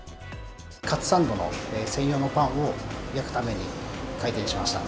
かつサンドの専用のパンを焼くために開店しました。